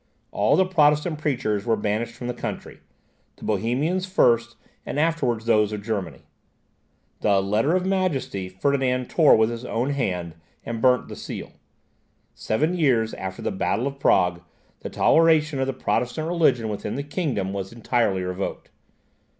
All the Protestant preachers were banished from the country; the Bohemians first, and afterwards those of Germany. The `Letter of Majesty', Ferdinand tore with his own hand, and burnt the seal. Seven years after the battle of Prague, the toleration of the Protestant religion within the kingdom was entirely revoked.